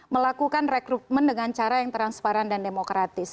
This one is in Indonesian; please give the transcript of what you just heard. melakukan rekrutmen dengan cara yang transparan dan demokratis